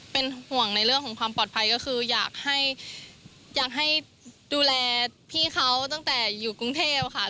เป็นห่วงในเรื่องของความปลอดภัยก็คืออยากให้อยากให้ดูแลพี่เขาตั้งแต่อยู่กรุงเทพค่ะ